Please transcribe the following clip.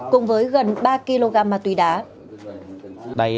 cùng với gần ba kg ma túy đá